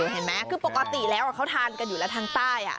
เห็นไหมคือปกติแล้วเขาทานกันอยู่แล้วทางใต้